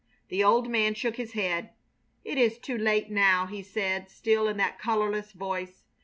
The old man shook his head. "It is too late now," he said, still in that colorless voice.